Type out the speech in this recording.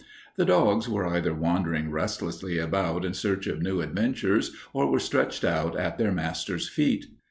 The dogs were either wandering restlessly about in search of new adventures, or were stretched out at their masters' feet.